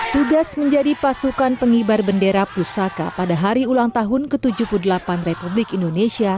tidak ada yang tidak bisa